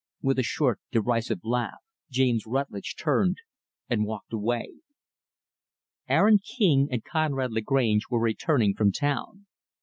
With a short, derisive laugh, James Rutlidge turned and walked away. Aaron King and Conrad Lagrange were returning from town.